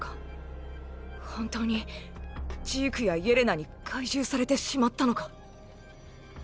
本当にジークやイェレナに懐柔されてしまったのか。